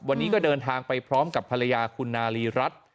วันนี้ก็เดินทางไปพร้อมกับภรรยาคุณนาลีรัฐ